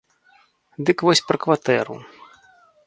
Дык вось пра кватэру.